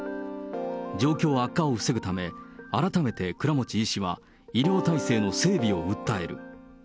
状況悪化を防ぐため、改めて倉持医師は医療体制の整備を訴える。